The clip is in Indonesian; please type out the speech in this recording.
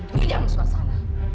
lu yang suasana